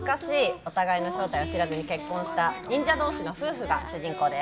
お互いの正体を知らずに結婚した忍者同士の夫婦が主人公です。